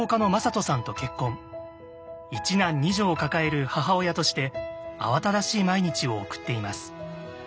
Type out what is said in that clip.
１男２女を抱える母親として慌ただしい毎日を送っています。